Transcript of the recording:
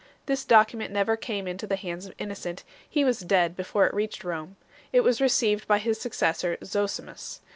This document never came into the hands of Innocent ; he was dead before it reached Rome. It was received by his successor Zosimus.